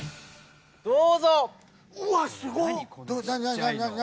どうぞ！